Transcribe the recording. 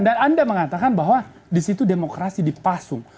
dan anda mengatakan bahwa di situ demokrasi dipasung